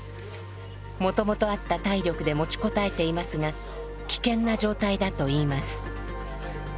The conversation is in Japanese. もともとあった体力で持ちこたえていますが危険な状態だといいます。